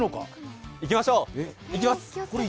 行きましょう、行きます。